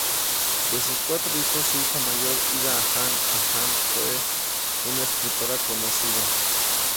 De sus cuatro hijos, su hija mayor Ida Hahn-Hahn fue una escritora conocida.